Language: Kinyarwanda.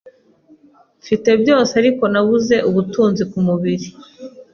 Mfite byose ariko nabuze ubutunzi kumubiri